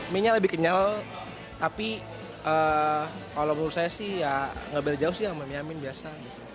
mie nya lebih kenyal tapi kalau menurut saya sih ya nggak beda jauh sih sama mie amin biasa